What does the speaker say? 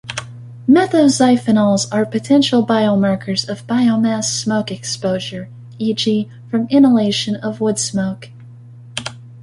Methoxyphenols are potential biomarkers of biomass smoke exposure; e.g., from inhalation of woodsmoke.